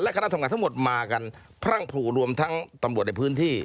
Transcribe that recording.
คณะทำงานทั้งหมดมากันพรั่งผลูรวมทั้งตำรวจในพื้นที่